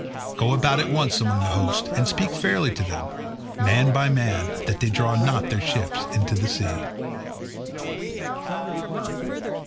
Go about at once among the host, and speak fairly to them, man by man, that they draw not their ships into the sea."